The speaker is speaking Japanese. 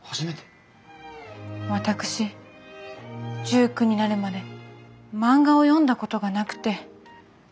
私１９になるまで漫画を読んだことがなくて。